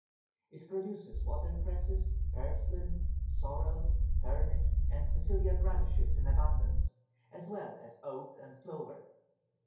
It produces water cresses, purslain, sorrels, turnips, and Sicilian radishes in abundance, as well as oats and clover.